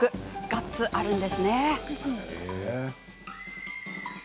ガッツあるんですね！